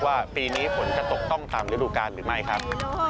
ว่าปีนี้ฝนจะตกต้องตามฤดูการหรือไม่ครับ